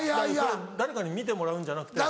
誰かに見てもらうんじゃなくて。